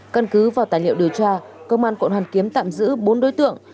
căn cứ vào tài liệu điều tra công an quận hoàn kiếm tạm giữ bốn đối tượng